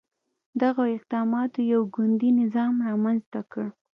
دغو اقداماتو یو ګوندي نظام رامنځته کړ.